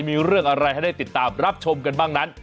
มีเรื่องอะไรให้ได้ติดตามรับชมกันบ้างนั้น